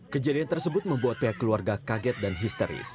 kejadian tersebut membuat pihak keluarga kaget dan histeris